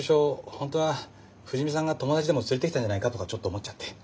本当は藤見さんが友達でも連れてきたんじゃないかとかちょっと思っちゃって。